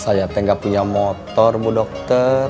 saya nggak punya motor bu dokter